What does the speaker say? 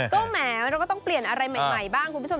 ก็แหมเราก็ต้องเปลี่ยนอะไรใหม่บ้างคุณผู้ชม